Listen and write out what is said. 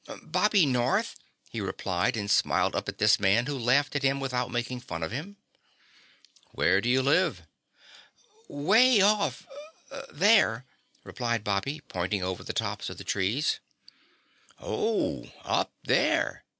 "Bobby North," he replied and smiled up at this man who laughed at him without making fun of him. "Where do you live?" "Way off there," replied Bobby, pointing over the tops of the trees. "Oh, up there!